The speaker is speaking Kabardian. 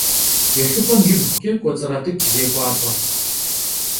Yêxıp'em yibğuç'e k'uets'rat'ıç' zêk'uap'e.